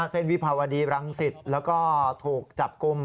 วิภาวดีรังสิตแล้วก็ถูกจับกลุ่ม